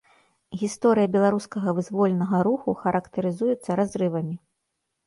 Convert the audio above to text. Гісторыя беларускага вызвольнага руху характарызуецца разрывамі.